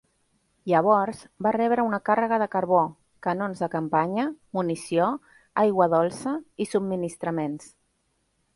Llavors va rebre una càrrega de carbó, canons de campanya, munició, aigua dolça i subministraments.